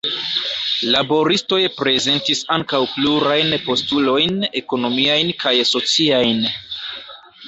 Laboristoj prezentis ankaŭ plurajn postulojn ekonomiajn kaj sociajn.